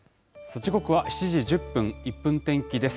時刻は７時１０分、１分天気です。